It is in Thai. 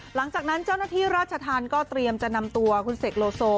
หลังจากนั้นเจ้าหน้าที่ราชธรรมก็เตรียมจะนำตัวคุณเสกโลโซ